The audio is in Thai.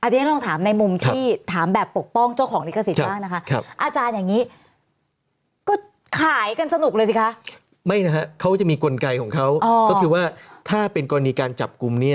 สสิบอับเนี้ยต้องถามในมุมที่